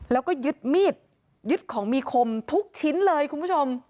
แล้วก็ยึดมีดยึดของมีคมทุกชิ้นเลยคุณผู้ชม